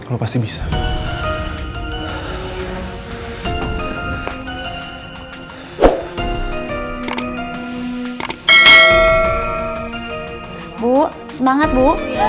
bu semangat bu